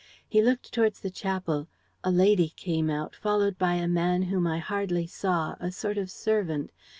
He looked towards the chapel. A lady came out, followed by a man whom I hardly saw, a sort of servant.